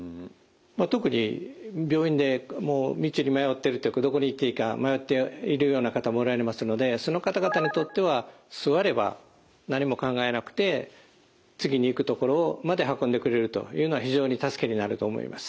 特に病院で道に迷ってるというかどこに行っていいか迷っているような方もおられますのでその方々にとっては座れば何も考えなくて次に行くところまで運んでくれるというのは非常に助けになると思います。